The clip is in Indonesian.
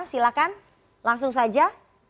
silahkan langsung saja